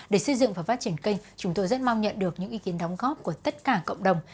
để xây dựng và phát triển kênh chúng tôi rất mong nhận được những ý kiến đóng góp của tất cả cộng đồng